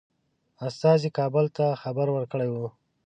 استازي کابل ته خبر ورکړی وو.